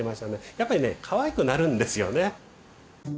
やっぱりねかわいくなるんですよね。